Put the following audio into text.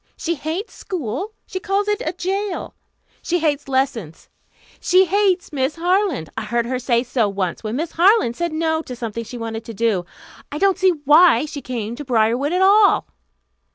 She hates school. She calls it a jail. She hates lessons. She hates Miss Harland. I heard her say so once, when Miss Harland said no to something she wanted to do. I don't see why she came to Briarwood at all."